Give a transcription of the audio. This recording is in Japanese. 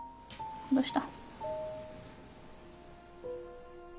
どうした？